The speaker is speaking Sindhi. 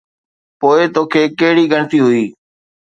پوءِ توکي ڪهڙي ڳڻتي هئي؟